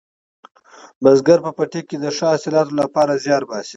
بزګر په پټي کې د ښه حاصلاتو لپاره زیار باسي